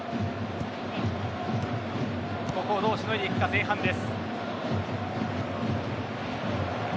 ここをどうしのいでいくか前半です。